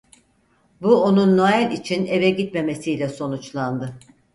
Bu onun Noel için eve gitmemesiyle sonuçlandı.